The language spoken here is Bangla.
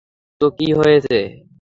তো কী হয়েছে।